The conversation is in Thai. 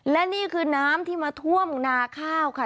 และนี่คือน้ำที่มาท่วมนาข้าวค่ะ